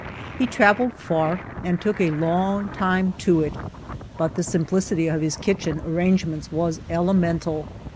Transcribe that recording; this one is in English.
He traveled far and took a long time to it, but the simplicity of his kitchen arrangements was elemental.